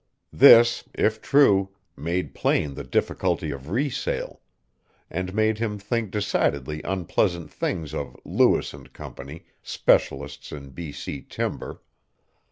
This, if true, made plain the difficulty of re sale, and made him think decidedly unpleasant things of "Lewis and Company, Specialists in B.C. Timber."